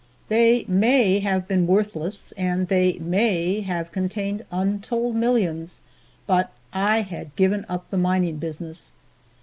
They may have been worthless, and they may have contained untold millions. But I had given up the mining business.